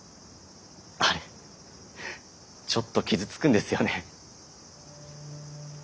あれちょっと傷つくんですよね。